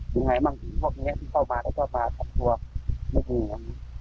ยังไงมันคือพวกนี้เข้ามาแล้วก็มาทำตัวไม่ถึงอย่างนี้